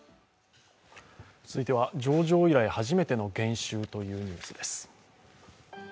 続いては、上場以来、初めての減収というニュースです。